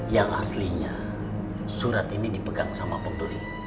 yang aslinya surat ini dipegang sama pemberi